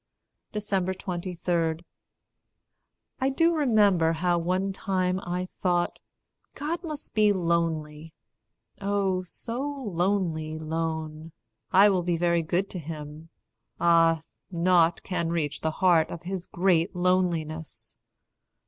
23. I do remember how one time I thought, "God must be lonely oh, so lonely lone! I will be very good to him ah, nought Can reach the heart of his great loneliness!